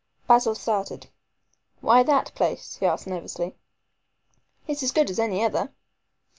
Basil started. "Why that place?" he asked nervously. "It is as good as any other."